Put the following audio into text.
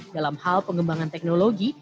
dalam hal pengembangan teknologi